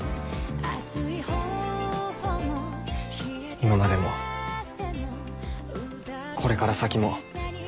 今までもこれから先もずっと。